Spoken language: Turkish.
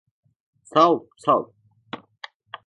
Sağ ol, sağ ol.